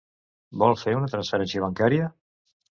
Vol fer una transferència bancària?